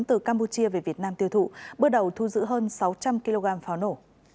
từ campuchia về việt nam tiêu thụ bước đầu thu giữ hơn sáu trăm linh kg pháo nổ